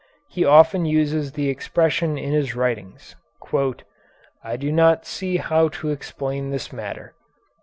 He often uses the expression in his writings, "I do not see how to explain this matter."